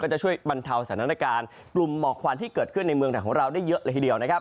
จะช่วยบรรเทาสถานการณ์กลุ่มหมอกควันที่เกิดขึ้นในเมืองไทยของเราได้เยอะเลยทีเดียวนะครับ